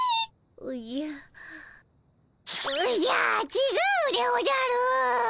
ちがうでおじゃる！